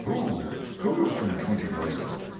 "Who? Who?" from twenty voices.